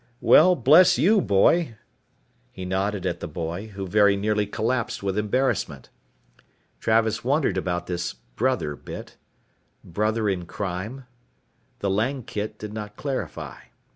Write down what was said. "Well, bless you, boy." He nodded at the boy, who very nearly collapsed with embarrassment. Travis wondered about this 'brother' bit. Brother in crime? The Langkit did not clarify.